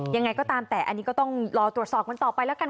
ยังไงก็ตามแต่อันนี้ก็ต้องรอตรวจสอบกันต่อไปแล้วกัน